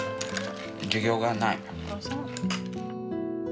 授業がない。